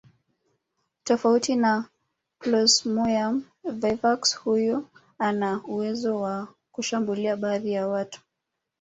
Tofauti na Plasmoium vivax huyu ana uwezo wa kushambulia baadhi ya watu